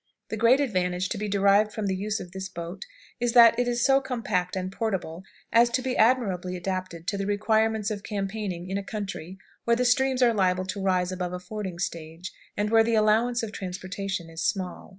The great advantage to be derived from the use of this boat is, that it is so compact and portable as to be admirably adapted to the requirements of campaigning in a country where the streams are liable to rise above a fording stage, and where the allowance of transportation is small.